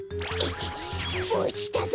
おちたぞ！